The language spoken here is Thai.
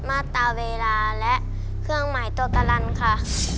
มาตราเวลาและเครื่องหมายตัวการันค่ะ